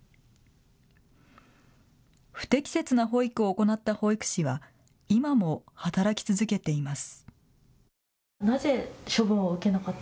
不適切な保育を行った保育士は今も働き続けています。